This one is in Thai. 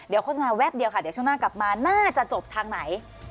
เดี๋ยวโฆษณาแวบเดียวค่ะเดี๋ยวช่วงหน้ากลับมาน่าจะจบทางไหน